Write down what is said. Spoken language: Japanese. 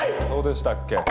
そうでしたっけ？